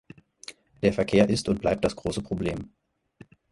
Der Verkehr ist und bleibt das große Problem.